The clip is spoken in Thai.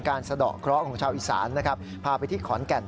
การเสดอเคราะห์ของชาวอิสานนะครับพาไปที่ขอนแก่นที่